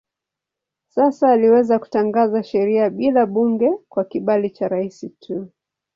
Sasa aliweza kutangaza sheria bila bunge kwa kibali cha rais tu.